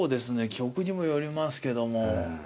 曲にもよりますけども。